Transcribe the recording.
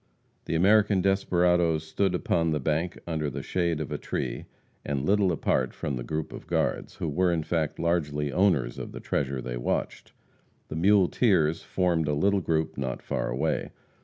The American desperadoes stood upon the bank under the shade of a tree, a little apart from the group of guards, who were in fact largely owners of the treasure they watched. The muleteers formed a little group not far away.